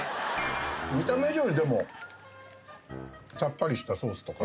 見た目以上にでもさっぱりしたソースとかね。